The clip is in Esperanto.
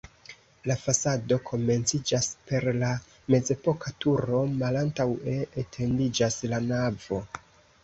La fasado komenciĝas per la mezepoka turo, malantaŭe etendiĝas la navo.